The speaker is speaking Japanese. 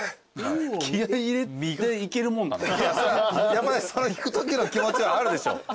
やっぱり引くときの気持ちはあるでしょ。